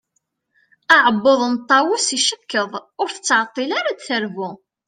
Aɛebbuḍ n Tawes icekkeḍ, ur tettɛeṭṭil ara ad d-terbu.